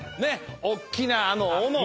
おっきなあのおの。